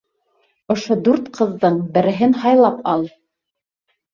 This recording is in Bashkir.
Ошо дүрт ҡыҙҙың береһен һайлап ал!